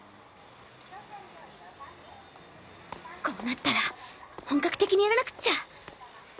こうなったら本格的にやらなくっちゃ！